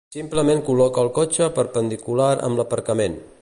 Simplement col·loca el cotxe perpendicular amb l'aparcament.